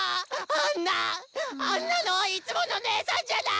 あんなあんなのっいつもの姐さんじゃない！